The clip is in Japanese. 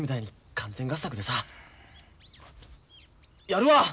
やるわ！